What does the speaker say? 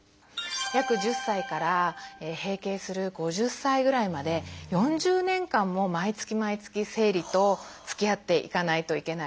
約１０歳から閉経する５０歳ぐらいまで４０年間も毎月毎月生理とつきあっていかないといけないです。